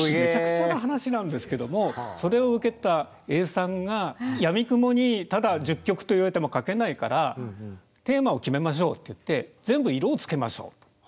めちゃくちゃな話なんですけどもそれを受けた永さんがやみくもにただ１０曲と言われても書けないからテーマを決めましょうって言って全部色をつけましょうと。